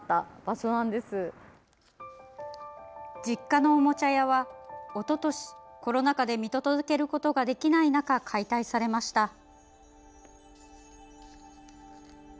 実家のおもちゃ屋はおととし、コロナ禍で見届けることができない中解体されました。